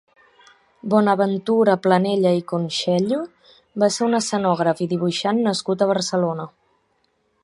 Bonaventura Planella i Conxello va ser un escenògraf i dibuixant nascut a Barcelona.